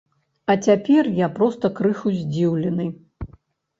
А цяпер я проста крыху здзіўлены.